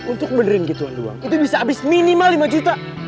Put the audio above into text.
untuk benerin gitu doang itu bisa habis minimal lima juta